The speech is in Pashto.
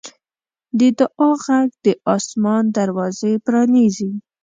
د دعا غږ د اسمان دروازه پرانیزي.